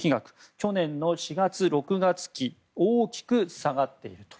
去年の４−６月期大きく下がっていると。